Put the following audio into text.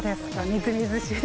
みずみずしい。